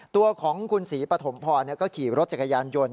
ตัวของคุณศรีปฐมพรก็ขี่รถจักรยานยนต์